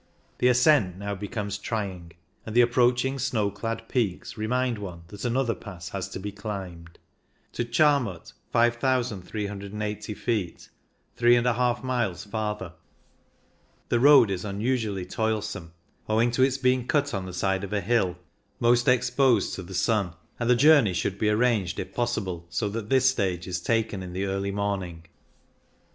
The ascent now becomes trying, and the approaching snow clad peaks remind one that another pass has to be climbed. To Chiamut (51380 ft), 3^^ miles farther, the road is unusually toilsome, owing to its being cut on the side of the hill most exposed to the sun, and the journey should be arranged, if possible, so that this stage is taken in the early morning.